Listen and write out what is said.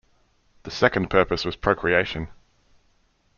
The second purpose was procreation.